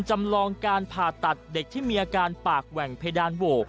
จำลองการผ่าตัดเด็กที่มีอาการปากแหว่งเพดานโหว